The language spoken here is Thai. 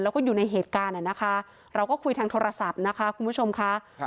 แล้วก็อยู่ในเหตุการณ์นะคะเราก็คุยทางโทรศัพท์นะคะคุณผู้ชมค่ะ